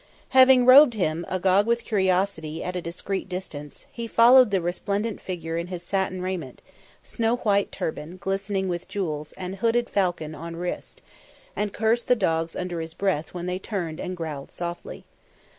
Having robed him, agog with curiosity and at a discreet distance, he followed the resplendent figure in his satin raiment, snow white turban glistening with jewels and hooded falcon on wrist, and cursed the dogs under his breath when they turned and growled softly.